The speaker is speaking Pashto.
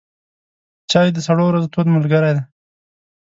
چای د سړو ورځو تود ملګری دی.